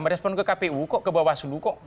merespon ke kpu kok ke bawah selu kok